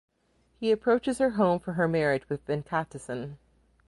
He approaches her home for her marriage with Venkatesan.